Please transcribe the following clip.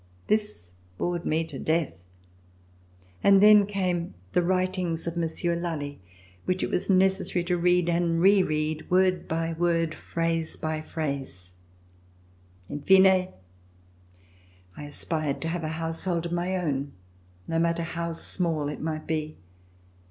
This bored me to death. And then came the writings [291 ] RECOLLECTIONS OF THE REVOLUTION of Monsieur de Lally which it was necessary to read and re read, word by word, phrase by phrase. In fine, I aspired to have a household of my own, no matter how small it might be.